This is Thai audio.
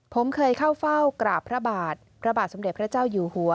ผมเคยเข้าเฝ้ากราบพระบาทพระบาทสมเด็จพระเจ้าอยู่หัว